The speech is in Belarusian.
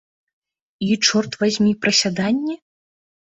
І, чорт вазьмі, прысяданні?